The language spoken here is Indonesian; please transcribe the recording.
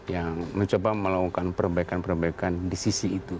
yang mencoba melakukan perbaikan perbaikan di sisi itu